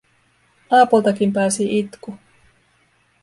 Aapoltakin pääsi itku.